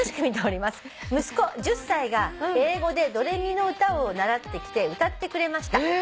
「息子１０歳が英語で『ド・レ・ミの歌』を習ってきて歌ってくれました」